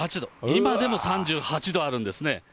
今でも３８度あるんですね。